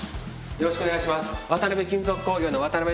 よろしくお願いします